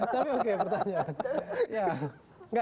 tapi oke pertanyaan